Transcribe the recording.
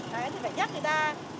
đấy thì phải nhắc người ta